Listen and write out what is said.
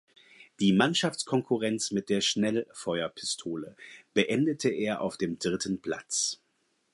Die Mannschaftskonkurrenz mit der Schnellfeuerpistole beendete er auf dem dritten Platz.